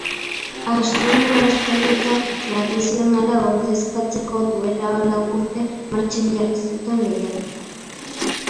Astoen lasterketa tradizionala ordezkatzeko duela lau urte martxan jarri zuten lehiaketa.